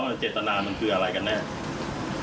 ไม่ใช่เจตนามันคืออะไรครับ